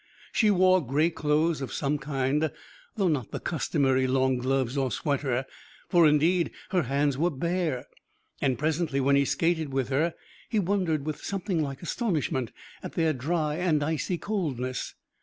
She wore grey clothes of some kind, though not the customary long gloves or sweater, for indeed her hands were bare, and presently when he skated with her, he wondered with something like astonishment at their dry and icy coldness.